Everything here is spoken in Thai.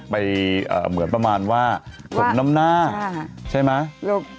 เหมือนประมาณว่าผมน้ำหน้าใช่ไหม